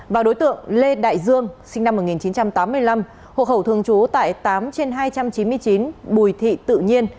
và đối tượng lê đại dương sinh năm một nghìn chín trăm tám mươi năm hộ khẩu thường trú tại tám trên hai trăm chín mươi chín bùi thị tự nhiên